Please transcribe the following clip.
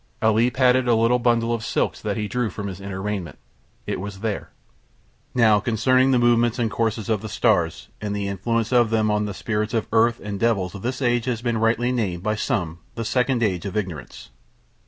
Ali patted a little bundle of silks that he drew from his inner raiment. It was there. Now concerning the movements and courses of the stars and the influence on them of spirits of Earth and devils this age has been rightly named by some The Second Age of Ignorance.